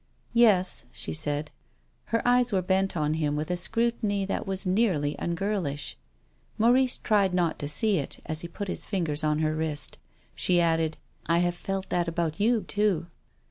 " Yes," she said. Her eyes were bent on him with a scrutiny that was nearly ungirlish. Maurice tried not to see it as he put his fingers on her wrist. She added :" I have felt that about you too."